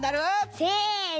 せの。